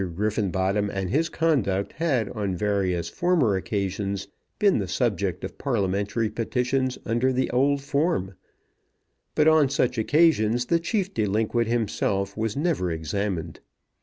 Griffenbottom and his conduct had on various former occasions been the subject of parliamentary petitions under the old form; but on such occasions the chief delinquent himself was never examined.